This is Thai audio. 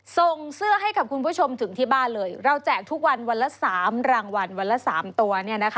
ส่งเสื้อให้กับคุณผู้ชมถึงที่บ้านเลยเราแจกทุกวันวันละ๓รางวัลวันละ๓ตัว